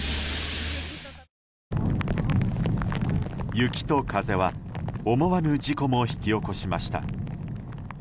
雪と風は思わぬ事故も引き起こしました。